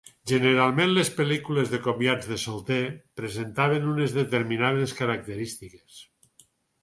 Generalment les pel·lícules de comiats de solters presentaven unes determinades característiques.